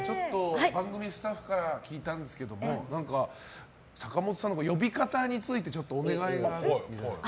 番組スタッフから聞いたんですけども何か、坂本さんの呼び方についてお願いがあるっていう。